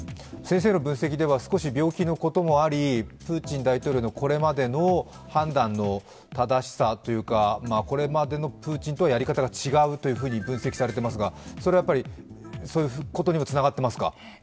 先生の分析では、少し病気のこともあり、プーチン大統領のこれまでの判断の正しさというか、これまでのプーチンとはやり方が違うというふうに分析されていますが、それはそういうことにもつながってますか。